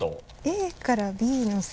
「ＡからＢの線」